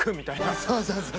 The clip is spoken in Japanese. そうそうそうそう。